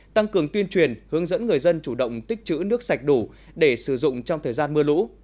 tăng cường tuyên truyền hướng dẫn người dân chủ động tích chữ nước sạch đủ để sử dụng trong thời gian mưa lũ